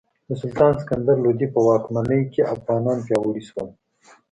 د سلطان سکندر لودي په واکمنۍ کې افغانان پیاوړي شول.